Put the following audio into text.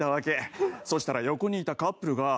そしたら横にいたカップルが。